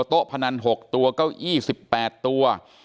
พนัน๖ตัวเก้าอี้๑๘ตัว